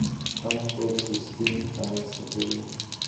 کم خوب سستي رامنځته کوي.